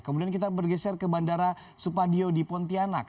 kemudian kita bergeser ke bandara supadio di pontianak